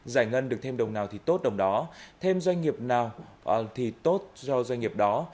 giải ngân được thêm đồng nào thì tốt đồng đó thêm doanh nghiệp nào thì tốt cho doanh nghiệp đó